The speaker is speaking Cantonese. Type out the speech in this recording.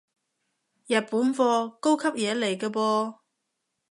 日本貨，高級嘢嚟個噃